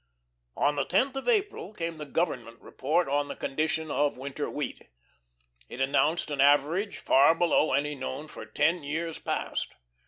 On the tenth of April came the Government report on the condition of winter wheat. It announced an average far below any known for ten years past.